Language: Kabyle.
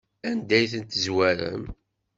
Anda ay ten-tezwarem?